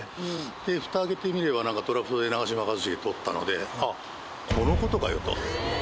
ふた開けてみれば、なんかドラフトで長嶋一茂取ったので、あっ、このことかよと。